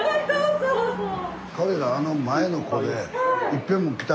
彼らあの前の子でいっぺんも来たことない一人は。